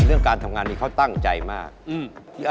เรื่องการทำงานนี้เขาตั้งใจมาก